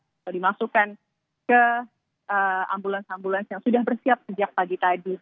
atau dimasukkan ke ambulans ambulans yang sudah bersiap sejak pagi tadi